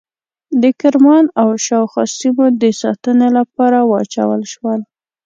د کرمان او شاوخوا سیمو د ساتنې لپاره واچول شول.